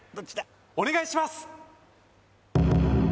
お願いします